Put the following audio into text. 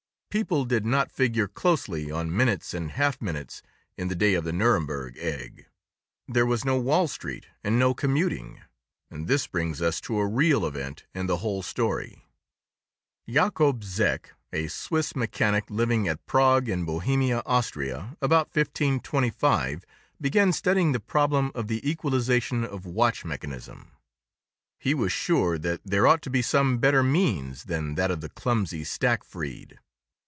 People did not figure closely on minutes and half minutes in the day of the Nuremberg egg; there was no "Wall Street" and no commuting. And this brings us to a real event in the whole story. Jacob Zech, a Swiss mechanic, living at Prague in Bohemia, Austria, about 1525, began studying the problem of the equalization of watch mechanism. He was sure that there ought to be some better means than that of the clumsy stackfreed.